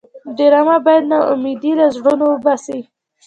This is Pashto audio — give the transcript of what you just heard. ډرامه باید ناامیدي له زړونو وباسي